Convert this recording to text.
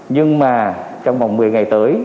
nhưng mà trong vòng một mươi ngày tới